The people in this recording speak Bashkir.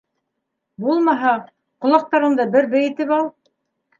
Булмаһа, ҡолаҡтарыңды бер бейетеп ал.